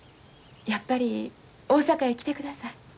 やっぱり大阪へ来てください。